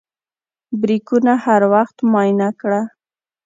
بریکونه هر وخت معاینه کړه.